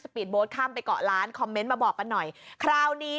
เสพีชบทข้ามไปกะล้านกำเมนท์มาบอกกันหน่อยคราวนี้